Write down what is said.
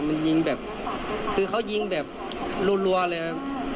มันยิงแบบคือเขายิงแบบรัวเลย